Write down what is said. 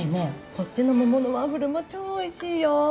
こっちの桃のワッフルも超おいしいよ。